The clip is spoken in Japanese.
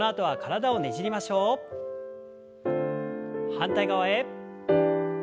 反対側へ。